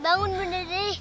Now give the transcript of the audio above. bangun bunda dari